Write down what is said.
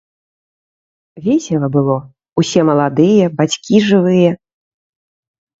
Весела было, усе маладыя, бацькі жывыя.